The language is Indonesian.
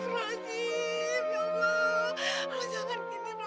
ya allah lu jangan gini bro